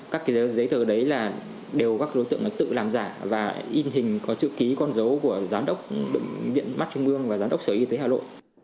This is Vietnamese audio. các cái giấy tờ đấy là đều các đối tượng tự làm giả và in hình có chữ ký con dấu của giám đốc bệnh viện mắt trung ương và giám đốc sở y tế hà nội